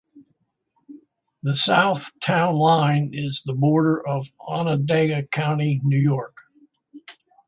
The south town line is the border of Onondaga County, New York.